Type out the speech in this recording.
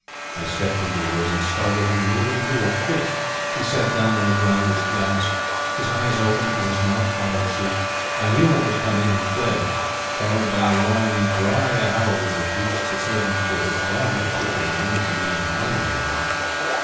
I stepped into the room and startled him nearly into a fit. He sat down on the ground with a gasp. His eyes opened, and his mouth followed suit. I knew what was coming, and fled, followed by a long, dry howl which reached the servants' quarters far more quickly than any command of mine had ever done.